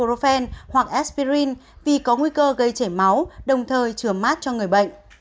ibuprofen hoặc aspirin vì có nguy cơ gây chảy máu đồng thời chừa mát cho người bệnh